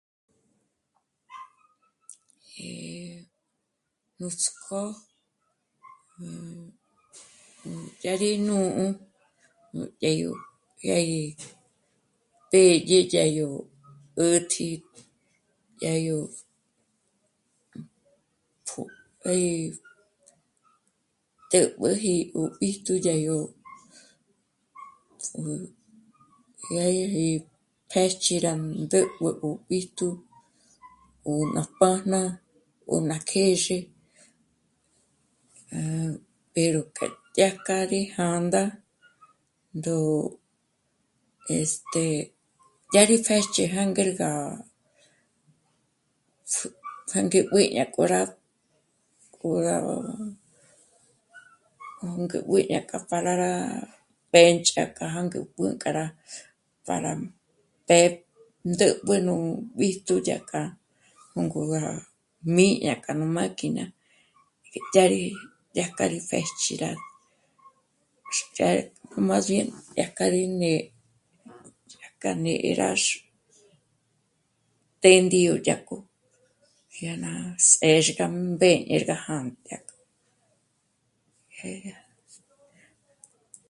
Nuts'k'ó... dyà rí nù'u nú të́dyo dyà gí pédye dyá yó 'ä̀tji dyá yó pjó... 'é... té'b'éji ó b'íjtu dyá gí... pjêch'i rá ndǘtb'ü b'íjtu ó ná pájna ó ná kjèzhe, am... pero que dyájk'a rí jā̂ndā ndó... este... dyá rí pjë́ch'i já ngér gá pjü... jângé mbéña k'o rá... k'o rá... jângé mbü dya para rá mbênch'a k'a mbǘ'ü k'a rá... para... ´p'é'... ndǘ'b'ü nú b'íjtu dyájka nú ngú ná rá mí'i dyákja ná máquina, dyá rí dya kja rí pjë̌jchji rá... x... más bien... dyájka rí né'e, dyakja né'e rá x... pêndyo dyák'o jyâná s'êxgá mbé rá gá jândâ dyá k'o